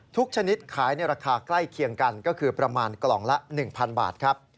ชนิดขายในราคาใกล้เคียงกันก็คือประมาณกล่องละ๑๐๐บาทครับ